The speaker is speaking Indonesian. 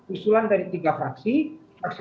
usulan dari tiga fraksi fraksi